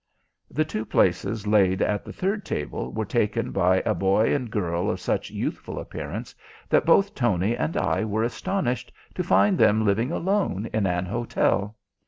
The two places laid at the third table were taken by a boy and girl of such youthful appearance that both Tony and I were astonished to find them living alone in an hotel.